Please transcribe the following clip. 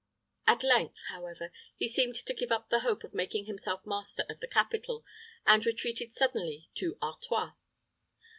At length, however, he seemed to give up the hope of making himself master of the capital, and retreated suddenly into Artois.